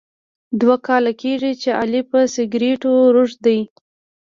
دوه کاله کېږي چې علي په سګرېټو روږدی دی.